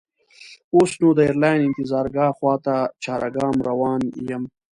اوس نو د ایرلاین انتظارګاه خواته چارګام روان یم.